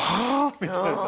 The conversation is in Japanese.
みたいな。